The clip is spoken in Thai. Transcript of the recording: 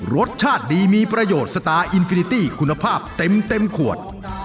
รสชาติดีมีประโยชน์สตาร์อินฟินิตี้คุณภาพเต็มขวด